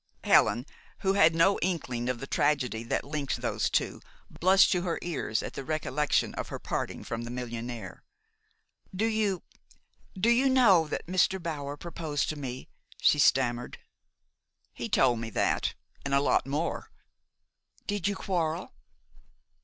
Helen, who had no inkling of the tragedy that linked those two, blushed to her ears at the recollection of her parting from the millionaire. "Do you do you know that Mr. Bower proposed to me?" she stammered. "He told me that, and a lot more." "Did you quarrel?"